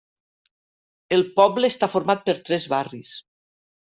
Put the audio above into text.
El poble està format per tres barris.